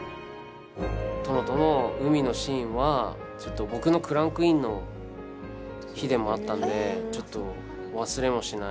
殿との海のシーンは僕のクランクインの日でもあったのでちょっと忘れもしない。